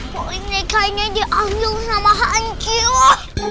kok ini nekanya diambil sama hangkyu